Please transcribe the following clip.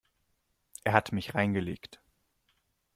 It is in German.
Er hat mich reingelegt.